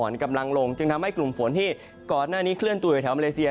กำลังลงจึงทำให้กลุ่มฝนที่ก่อนหน้านี้เคลื่อนตัวอยู่แถวมาเลเซีย